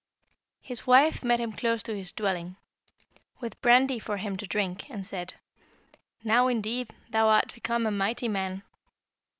"His wife met him close to his dwelling, with brandy for him to drink, and said, 'Now, indeed, thou art become a mighty man.'